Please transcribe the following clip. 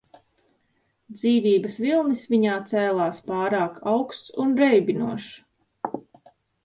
Dzīvības vilnis viņā cēlās pārāk augsts un reibinošs.